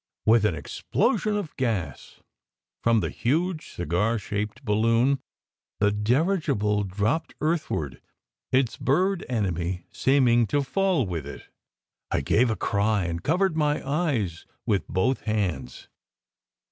With an explosion of gas from the huge cigar shaped balloon, the dirigible dropped earthward, its bird enemy seeming to fall with it. I gave a cry and covered my eyes with both hands.